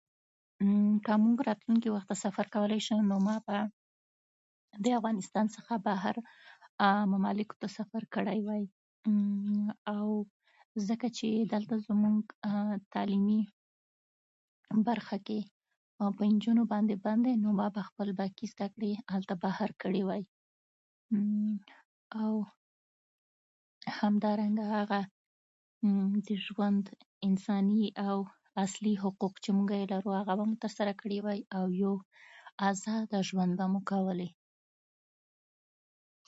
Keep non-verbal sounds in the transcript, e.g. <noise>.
<hesitation> که موږ راتلونکي وخت ته سفر کولی شو، نو ما به د افغانستان څخه بهر ممالکو ته سفر کړی وای. او ځکه چې دلته زموږ تعلیمي برخه کې په نجونو باندې بند دی، نو ما به خپلې لوړې زده کړې هلته بهر کړې وای. <hesitation> او همدارنګه هغه <hesitation> د ژوند انساني او اصلي حقوق چې موږ یې لرو، هغه به مې ترسره کړي وای، او یو ازاد ژوند به مو کولای.